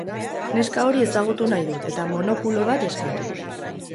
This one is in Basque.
Neska hori ezagutu nahi dut eta monokulo bat eskatu.